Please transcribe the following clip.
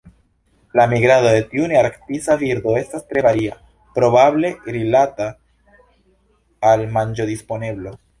La migrado de tiu nearktisa birdo estas tre varia, probable rilata al manĝodisponeblo.